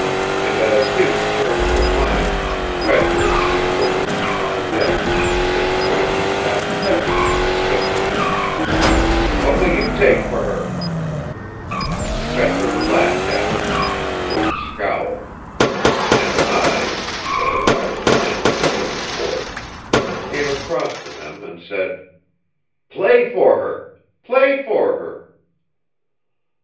And as his turned from mine, Fetcher and his woman came on deck, and Quint tapped Fetcher, and said to him: 'What will you take for her?' "Fetcher laughed at him; and Quint scowled. And I for I was minded to see sport, came across to them and said: 'Play for her. Play for her!'